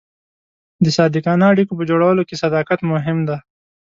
د صادقانه اړیکو په جوړولو کې صداقت مهم دی.